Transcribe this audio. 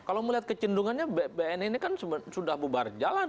kalau melihat kecenderungannya bpn ini kan sudah bubar jalan